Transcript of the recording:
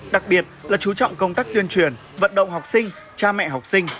đặc biệt là chú trọng công tác tuyên truyền vận động học sinh cha mẹ học sinh